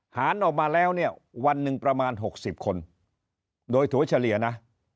หารออกมาแล้วเนี่ยวันหนึ่งประมาณ๖๐คนโดยถั่วเฉลี่ยนะ